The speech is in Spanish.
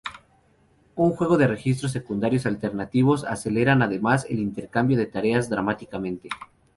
Un juego de registros secundarios alternativos aceleran además el intercambio de tareas dramáticamente.